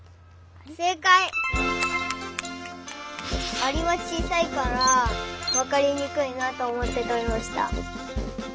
アリはちいさいからわかりにくいなとおもってとりました。